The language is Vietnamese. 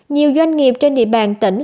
nhiều doanh nghiệp trên địa bàn tỉnh